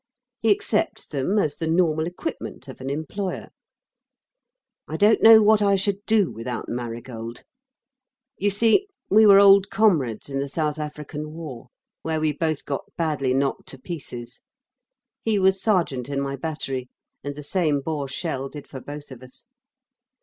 He accepts them as the normal equipment of an employer. I don't know what I should do without Marigold.... You see we were old comrades in the South African War, where we both got badly knocked to pieces. He was Sergeant in my battery, and the same Boer shell did for both of us.